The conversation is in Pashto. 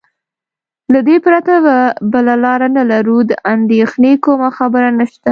له دې پرته بله لار نه لرو، د اندېښنې کومه خبره نشته.